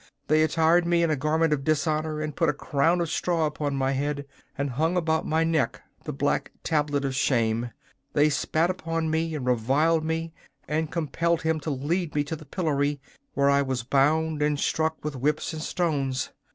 They attired me in a garment of dishonour, and put a crown of straw upon my head, and hung about my neck the black tablet of shame. They spat upon me and reviled me, and compelled him to lead me to the pillory, where I was bound and struck with whips and stones.